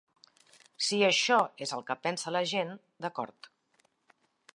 Si això és el que pensa la gent, d'acord.